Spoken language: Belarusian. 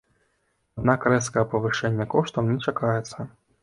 Аднак рэзкага павышэння коштаў не чакаецца.